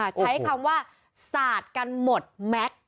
ใช้คำว่าสาดกันหมดแม็กซ์